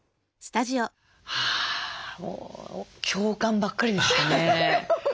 はあもう共感ばっかりでしたね。